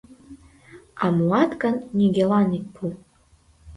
А муат гын, нигöлан ит пу.